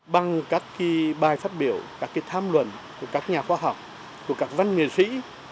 bằng các bài phát biểu các tham luận của các nhà khoa học của các văn nghệ sĩ